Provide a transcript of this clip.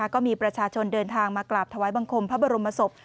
ก็มีประชาชนเดินทางมากราบถวายบังคมพระบรมศพ